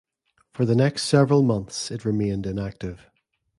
For the next several months it remained inactive.